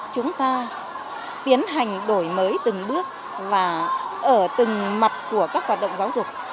chúng ta tiến hành đổi mới từng bước và ở từng mặt của các hoạt động giáo dục